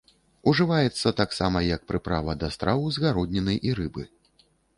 Ужываецца таксама як прыправа да страў з гародніны і рыбы.